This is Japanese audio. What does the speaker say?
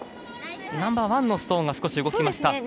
ナンバーワンのストーンが少し動きました。